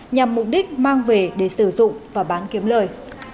nhằm mục đích mang về để sử dụng và bán kiếm lời